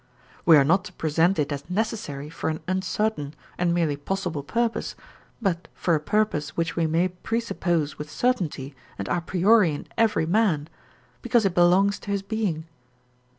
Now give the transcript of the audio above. We are not to present it as necessary for an uncertain and merely possible purpose, but for a purpose which we may presuppose with certainty and a priori in every man, because it belongs to his being.